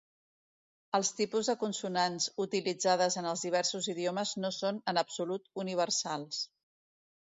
Els tipus de consonants utilitzades en els diversos idiomes no són, en absolut, universals.